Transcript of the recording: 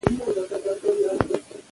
مږور د زوی مېرمني ته ويل کيږي.